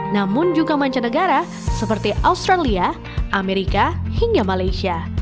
namun juga mancanegara seperti australia amerika hingga malaysia